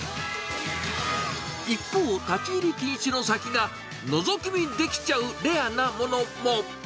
一方、立ち入り禁止の先がのぞき見できちゃうレアなものも。